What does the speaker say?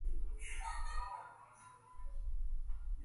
The loading and unloading of these cans make a noise if you throw them.